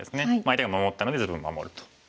相手が守ったので自分も守ると。